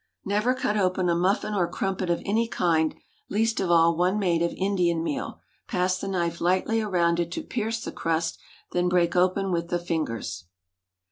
Never cut open a muffin or crumpet of any kind, least of all one made of Indian meal. Pass the knife lightly around it to pierce the crust, then break open with the fingers.